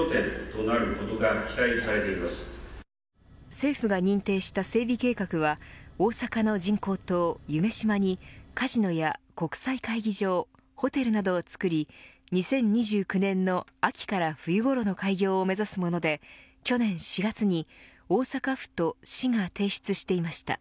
政府が認定した整備計画は大阪の人工島、夢洲にカジノや国際会議場ホテルなどをつくり２０２９年の秋から冬ごろの開業を目指すもので去年４月に、大阪府と市が提出していました。